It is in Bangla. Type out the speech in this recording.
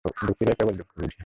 দুঃখীরাই কেবল দুঃখ বুঝে।